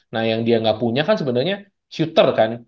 nah yang dia nggak punya kan sebenarnya shooter kan